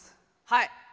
はい。